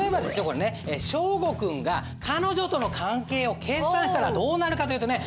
これね祥伍君が彼女との関係を決算したらどうなるかというとね